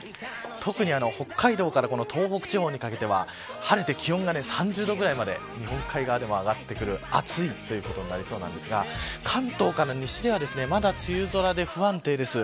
特に北海道から東北地方にかけては晴れて気温が３０度ぐらいまで日本海側でも上がってくる、暑いということになりそうなんですが関東から西ではまだ梅雨空で不安定です。